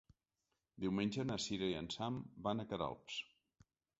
Diumenge na Sira i en Sam van a Queralbs.